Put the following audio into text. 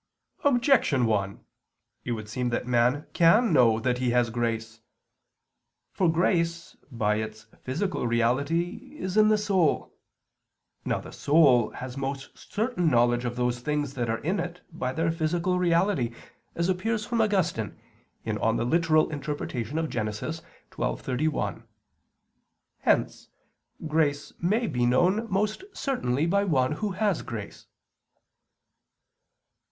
Objection 1: It would seem that man can know that he has grace. For grace by its physical reality is in the soul. Now the soul has most certain knowledge of those things that are in it by their physical reality, as appears from Augustine (Gen. ad lit. xii, 31). Hence grace may be known most certainly by one who has grace.